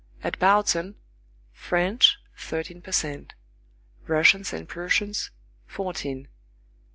At Bautzen, French, thirteen per cent; Russians and Prussians, fourteen.